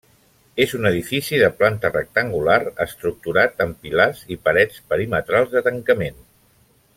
És un edifici de planta rectangular, estructurat amb pilars i parets perimetrals de tancament.